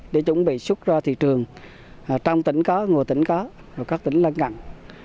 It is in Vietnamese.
để chuẩn bị xuất ra thị trường trong tỉnh có ngồi tỉnh có các tỉnh là ngẳng